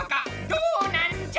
どうなんじゃ！